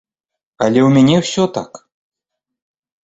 Але ў мяне ўсё так!